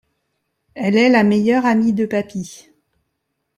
Elle est la meilleure amie de Papi.